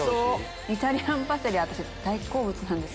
イタリアンパセリ私大好物なんですよ。